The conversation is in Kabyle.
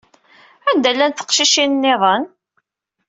Anda llant teqcicin nniḍen?